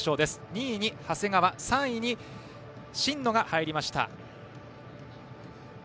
２位に長谷川３位に真野が入りました。